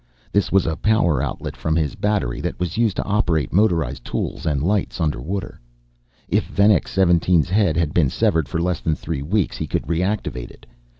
This was a power outlet from his battery that was used to operate motorized tools and lights underwater. If Venex 17's head had been severed for less than three weeks he could reactivate it.